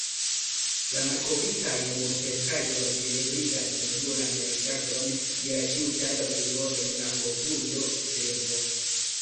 La malkovritaj murpentraĵoj ebligas ununuran rigardon je la ĉiutaga vivo en la Kogurjo-tempo.